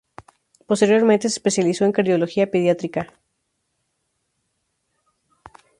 Posteriormente se especializó en cardiología pediátrica.